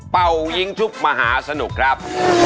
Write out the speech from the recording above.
เป่ายิงชุบมหาสนุกครับ